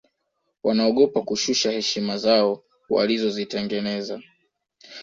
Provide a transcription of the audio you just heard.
wanaogopa kushusha heshima zao walizozitengeneza